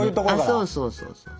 そうそうそうそう。